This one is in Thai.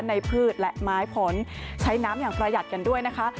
พืชและไม้ผลใช้น้ำอย่างประหยัดกันด้วยนะคะ